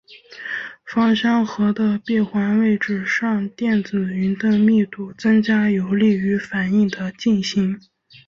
芳香核的闭环位置上电子云的密度增加有利于反应的进行。